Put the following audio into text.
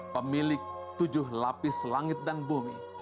pemilik tujuh lapis langit dan bumi